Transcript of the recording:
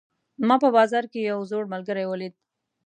ما په بازار کې یو زوړ ملګری ولید